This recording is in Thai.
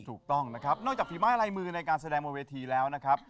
ถูกต้องนะครับนอกจากฝีไม้ลายมือในการแสดงบนเวทีแล้วนะครับ